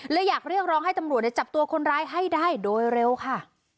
อยากเรียกร้องให้ตำรวจจับตัวคนร้ายให้ได้โดยเร็วค่ะ